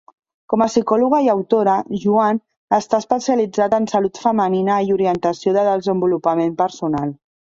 Com a psicòloga i autora, Joan està especialitzat en salut femenina i orientació de desenvolupament personal.